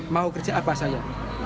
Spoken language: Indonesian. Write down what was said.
mau kerja apa saya